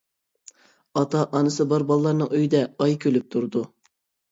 ئاتا-ئانىسى بار بالىلارنىڭ ئۆيىدە ئاي كۈلۈپ تۇرىدۇ.